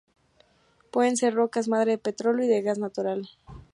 Pueden ser rocas madre de petróleo y de gas natural.